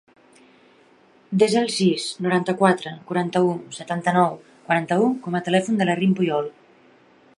Desa el sis, noranta-quatre, quaranta-u, setanta-nou, quaranta-u com a telèfon de la Rym Puyol.